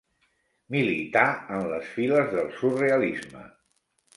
Milità en les files del surrealisme.